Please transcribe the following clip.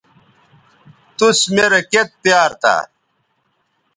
توس میرے کیئت پیار تھا